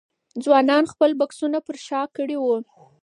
ځوانانو خپل بکسونه پر شا کړي وو.